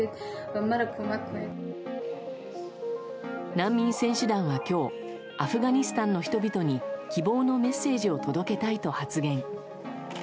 難民選手団は今日アフガニスタンの人々に希望のメッセージを届けたいと発言。